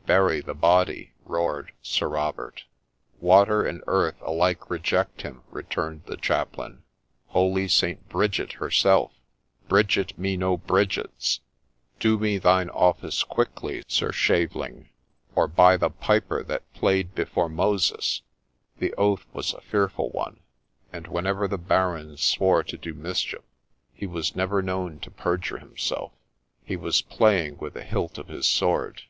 ' Bury the body !' roared Sir Robert. ' Water and earth alike reject him,' returned the Chaplain ;' holy St. Bridget herself '' Bridget me no Bridgets !— do me thine office quickly, Sir Shaveling ; or, by the Piper that played before Moses ' The oath was a fearful one ; and whenever the Baron swore to do mischief, he was never known to perjure himself. He was playing with the hilt of his sword.